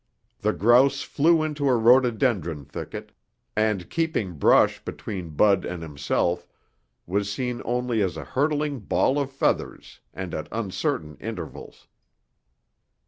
The grouse flew into a rhododendron thicket and, keeping brush between Bud and himself, was seen only as a hurtling ball of feathers and at uncertain intervals.